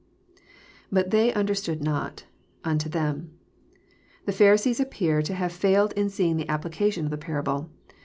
{Bttt they understood not.., unto them.'] The Pharisees appear to have failed in seeing the application of the parable.